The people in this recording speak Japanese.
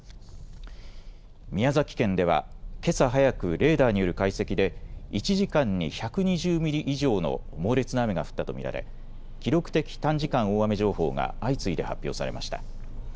宮崎県ではけさ早くレーダーによる解析で１時間に１２０ミリ以上の猛烈な雨が降ったと見られ記録的短時間大雨情報が相次いで発表されました。